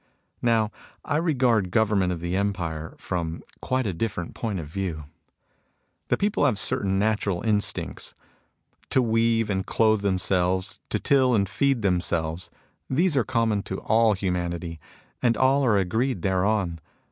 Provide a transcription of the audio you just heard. Now I regard government of the empire from quite a diflEerent point of view. The people have certain natural instincts :— to weave and clothe themselves, to till and feed themselves. These are common to all humanity, and all are agreed thereon.